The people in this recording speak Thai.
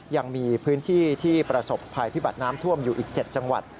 ยังมีพื้นที่ที่ประสบภัยพิบัติน้ำท่วมอยู่อีก๗จังหวัด